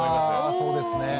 あそうですね。